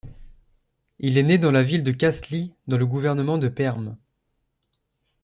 Il est né dans la ville de Kasli dans le gouvernement de Perm.